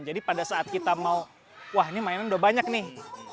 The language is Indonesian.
jadi pada saat kita mau wah ini mainan udah banyak nih